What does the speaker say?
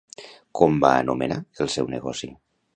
Com va anomenar el seu negoci?